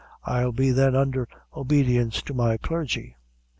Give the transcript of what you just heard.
I'll be then undher obadience to my clargy."